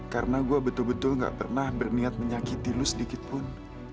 karena gue betul betul gak pernah berniat menyakiti lo sedikitpun